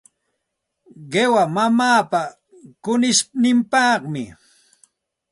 Qiwa mamaapa kunishninpaqmi.